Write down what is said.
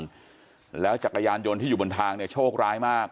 แล้วจักรยานยนต์ที่อยู่บนทางเนี่ยโชคร้ายมาก